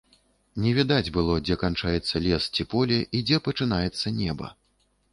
Не відаць было, дзе канчаецца лес ці поле і дзе пачынаецца неба.